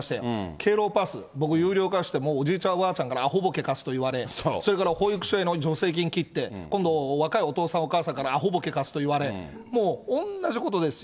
敬老パス、僕、有料化しておじいちゃん、おばあちゃんから、あほ、ぼけ、かすと言われ、それから保育所への助成金切って、今度若いお父さん、お母さんからあほ、ぼけ、かすといわれ、もう同じことですよ。